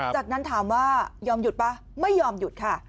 จากนั้นถามว่ายอมหยุดป่ะไม่ยอมหยุดค่ะ